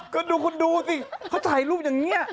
ก็ดูคุณดูสิเขาถ่ายรูปอย่างนี้